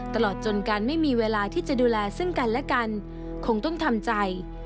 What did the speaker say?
ตลอดจนการไม่มีเวลาที่จะดูแลซึ่งกันและกันคงต้องทำใจ